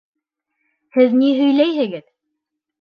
— Һеҙ ни һөйләйһегеҙ?